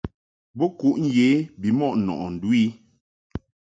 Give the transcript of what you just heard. Bo kuʼ nje bimɔʼ nɔʼɨ ndu i.